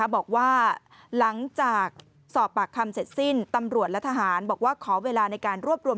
บอกว่าหลังจากสอบปากคำเสร็จสิ้นตำรวจและทหารบอกว่าขอเวลาในการรวบรวม